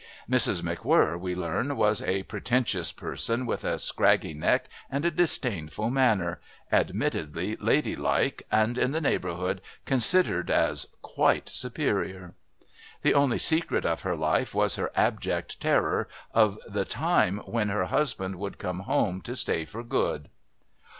Mrs McWhirr, we learn, was "a pretentious person with a scraggy neck and a disdainful manner, admittedly lady like and in the neighbourhood considered as 'quite superior.' The only secret of her life was her abject terror of the time when her husband would come home to stay for good."